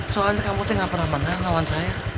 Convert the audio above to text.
soalnya kamu tuh ga pernah menang lawan saya